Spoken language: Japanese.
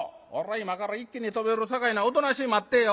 今から一気に飛び降りるさかいなおとなしい待ってぇよ」。